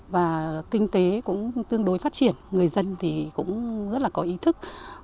và kinh tế cũng tương đối phát triển người dân cũng rất có ý thức